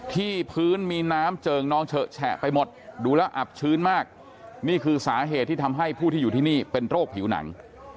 ที่พื้นมีน้ำเจิงนองเฉอะแฉะไปหมดดูแล้วอับชื้นมากนี่คือสาเหตุที่ทำให้ผู้ที่อยู่ที่นี่เป็นโรคผิวหนัง